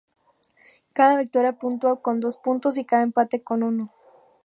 Cada victoria puntúa con dos puntos y cada empate con uno.